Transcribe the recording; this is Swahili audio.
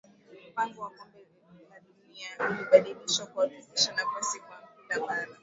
mpango wa kombe la dunia ulibadilishwa kuhakikisha nafasi kwa kila bara